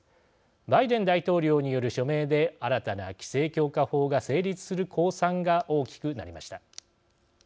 バイデン大統領による署名で新たな規制強化法が成立する公算が大きくなりました。